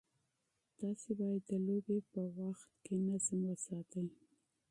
تاسي باید د لوبې په ساحه کې نظم وساتئ.